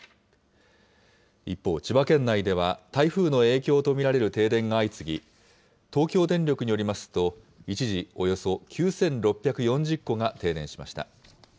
一方、千葉県内では、台風の影響と見られる停電が相次ぎ、東京電力によりますと、一時およそ９６４０戸が停電しました。